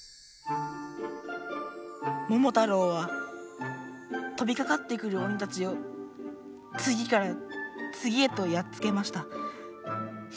「ももたろうはとびかかってくる鬼たちをつぎからつぎへとやっつけました。